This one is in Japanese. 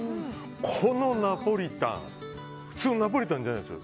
このナポリタン普通のナポリタンじゃないですよ。